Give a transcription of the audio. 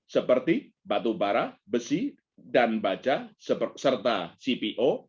seperti batubara besi dan baja serta cpo